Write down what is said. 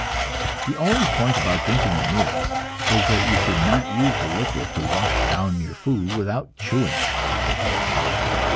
The only point about drinking at meals is that you should not use the liquid to wash down your food without chewing it.